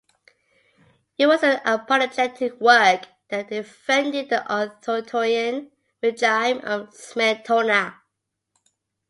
It was an apologetic work that defended the authoritarian regime of Smetona.